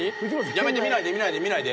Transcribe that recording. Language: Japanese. やめて見ないで見ないで見ないで。